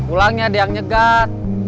ulangnya ada yang nyegat